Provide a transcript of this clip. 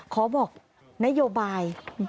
ขอบอกนโยบาย